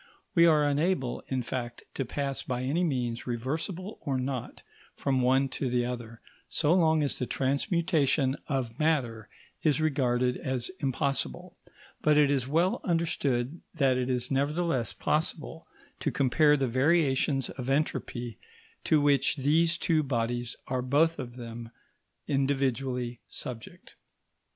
We are unable, in fact, to pass by any means, reversible or not, from one to the other, so long as the transmutation of matter is regarded as impossible; but it is well understood that it is nevertheless possible to compare the variations of entropy to which these two bodies are both of them individually subject.